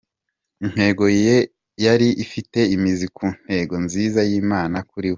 Intego ye yari ifite imizi ku ntego nziza y’Imana kuri we.